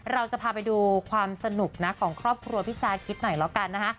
เราจะพาไปดูความสนุกนะของครอบครัวพี่ซาคิตหน่อยแล้วกันนะฮะ